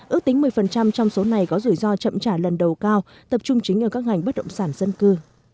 ước tính một mươi trong số này có rủi ro chậm trả lần đầu cao tập trung chính ở các ngành bất động sản dân cư